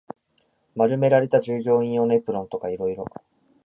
丸められた従業員用のエプロンとか色々